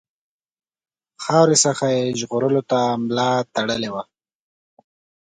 خاورې څخه یې ژغورلو ته ملا تړلې وه.